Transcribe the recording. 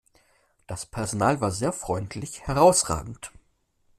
Das Personal war sehr freundlich, herrausragend!